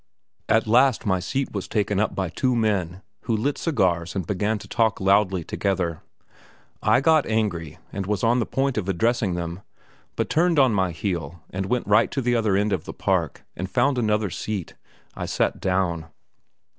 At last my seat was taken up by two men, who lit cigars and began to talk loudly together. I got angry and was on the point of addressing them, but turned on my heel and went right to the other end of the Park, and found another seat. I sat down.